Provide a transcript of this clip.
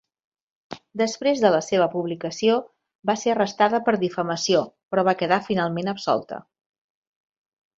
Després de la seva publicació, va ser arrestada per difamació però va quedar finalment absolta.